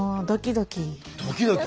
ドキドキ？